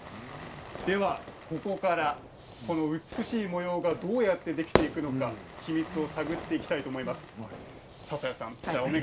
ではここから美しい模様がどうやって、できているのか秘密を探っていきたいと思います。